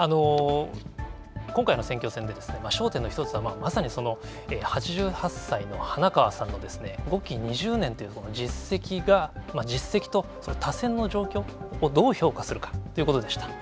今回選挙戦で、焦点の１つは、まさに８８歳の花川さんの５期２０年という実績が実績と多選の状況をどう評価するかということでした。